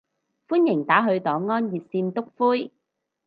歡迎打去黨安熱線篤灰